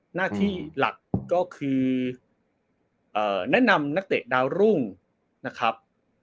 หน้าที่หลักก็คือแนะนำนักเตะดาวรุ่งนะครับ